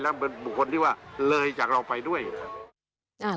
และบุคคลที่ว่าเลยจากเราไปด้วย